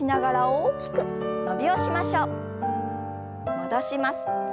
戻します。